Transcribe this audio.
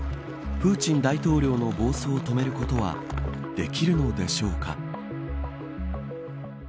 プーチン大統領の暴走を止めることはできるのでしょうか。